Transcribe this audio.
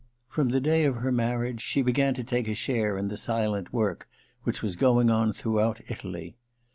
From the day of her marriage she began to take a share in the silent work which was going on throughout Italy.